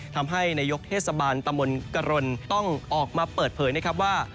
ทำให้นายกเทศบาลตำบลกรณต้องออกมาเปิดเผยนะครับว่า